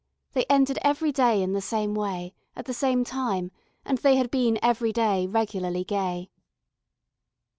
They ended every day in the same way, at the same time, and they had been every day regularly gay.